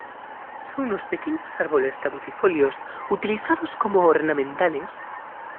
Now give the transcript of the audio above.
Son pequeños árboles caducifolios utilizados como ornamentales.